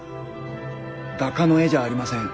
画家の絵じゃありません。